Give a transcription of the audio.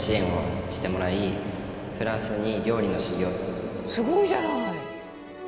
まさかすごいじゃない！